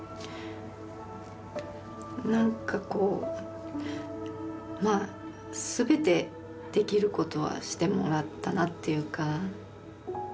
何かこうまあ全てできることはしてもらったなっていうか。